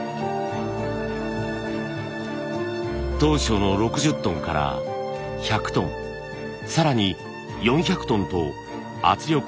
当初の６０トンから１００トン更に４００トンと圧力を上げて試しました。